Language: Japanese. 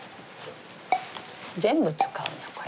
全部使うなこれ。